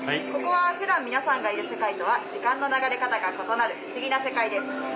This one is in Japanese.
ここは普段皆さんがいる世界とは時間の流れ方が異なる不思議な世界です。